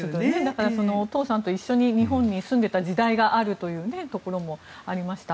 だから、お父さんと一緒に日本に住んでいた時代があるというところもありました。